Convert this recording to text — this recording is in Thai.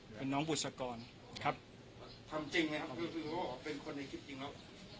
เป็นน้องบุษกรครับทำจริงไหมครับเพราะว่าเป็นคนในคลิปจริงแล้ว